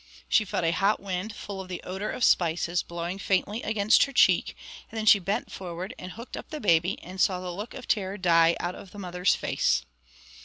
She felt a hot wind, full of the odour of spices, blowing faintly against her cheek; and then she bent forward and hooked up the baby, and saw the look of terror die out of the mother's face.